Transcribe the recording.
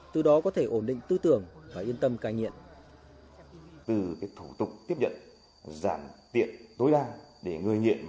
từ đó có thể ổn định tư tưởng và yên tâm cai nghiện